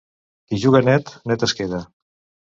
Qui juga net, net es queda.